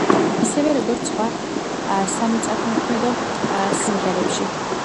ისევე როგორც სხვა სამიწათმოქმედო სიმღერებში.